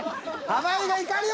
濱家が怒りを！